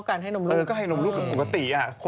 ก็ให้นมรูมเหมือนปกติ